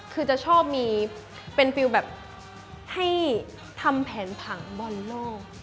คือจะชอบมีเป็นฟิลแบบให้ทำแผนผังบอลโลก